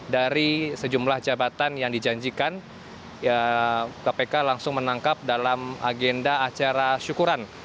dari sejumlah jabatan yang dijanjikan kpk langsung menangkap dalam agenda acara syukuran